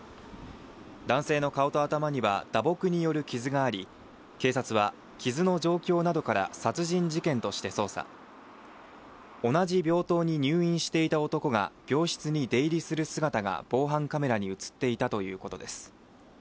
男性の顔と頭には打撲による傷があり警察は傷の状況などから殺人事件として捜査同じ病棟に入院していた男が病室に出入りする姿が防犯カメラに映っていたということです